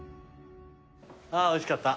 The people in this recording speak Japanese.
あぁおいしかった。